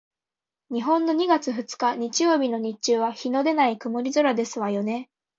日本の二月二日日曜日の日中は日のでない曇り空ですわよね？